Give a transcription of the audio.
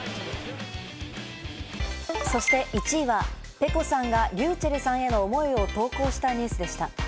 そして１位はｐｅｃｏさんがｒｙｕｃｈｅｌｌさんへの思いを投稿したニュースでした。